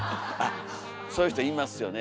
そういう人いますよね